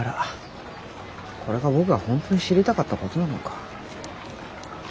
これが僕が本当に知りたかったことなのか？